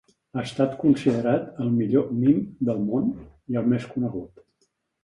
Ha estat considerat el millor mim del món, i el més conegut.